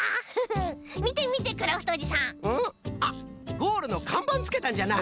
ゴールのかんばんつけたんじゃな。